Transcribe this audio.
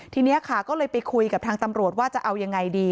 ทีนี้ค่ะก็เลยไปคุยกับทางตำรวจว่าจะเอายังไงดี